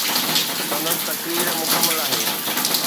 سندس تقرير مڪمل آهي